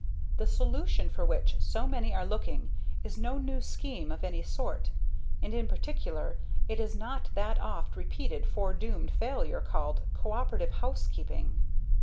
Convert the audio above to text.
"The solution for which so many are looking is no new scheme of any sort; and in particular it is not that oft repeated fore doomed failure called 'co operative housekeeping'."